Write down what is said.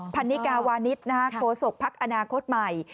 พันนิกาวานิสโฆษกพักอนาคตใหม่